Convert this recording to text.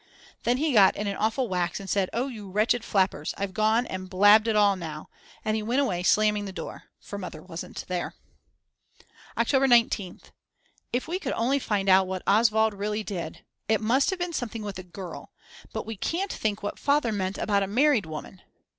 Then he got in an awful wax and said: O you wretched flappers, I've gone and blabbed it all now, and he went away slamming the door, for Mother wasn't there. October 19th. If we could only find out what Oswald really did. It must have been something with a girl. But we can't think what Father meant about a married woman.